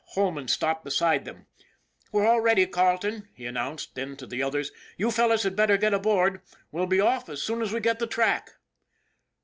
Holman stopped beside them. "We're all ready, Carleton," he announced; then to the others :" You fellows had better get aboard; we'll be off as soon as we get the track."